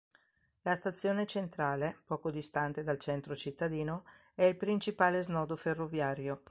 La Stazione Centrale, poco distante dal centro cittadino, è il principale snodo ferroviario.